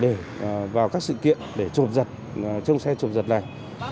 để vào các sự kiện để trộm giật trong xe trộm giật này